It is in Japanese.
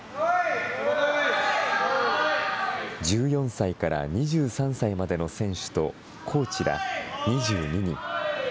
１４歳から２３歳までの選手とコーチら２２人。